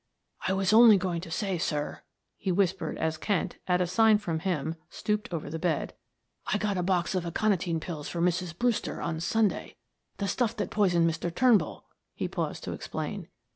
"I was only going to say, sir," he whispered as Kent, at a sign from him, stooped over the bed, "I got a box of aconitine pills for Mrs. Brewster on Sunday the stuff that poisoned Mr. Turnbull," he paused to explain.